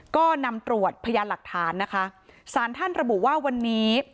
ก็นำตรวจพยานหลักฐานนะคะสารท่านระบุว่าวันนี้